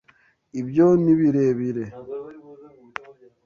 Ibyo ni birebire.